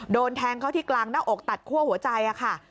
โดนแทงเขาที่กลางหน้าอกตัดคั่วหัวใจค่ะ